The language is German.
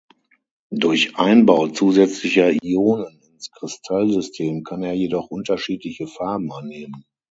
Durch Einbau zusätzlicher Ionen ins Kristallsystem kann er jedoch unterschiedliche Farben annehmen.